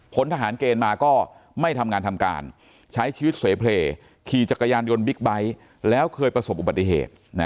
ทหารเกณฑ์มาก็ไม่ทำงานทำการใช้ชีวิตเสเพลย์ขี่จักรยานยนต์บิ๊กไบท์แล้วเคยประสบอุบัติเหตุ